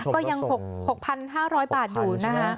ก็ยัง๖๕๐๐บาทอยู่นะคะ